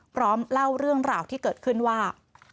เล่าเรื่องราวที่เกิดขึ้นว่า